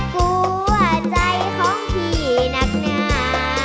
หัวใจของพี่หนักหนา